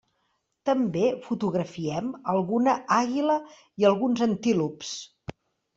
També fotografiem alguna àguila i alguns antílops.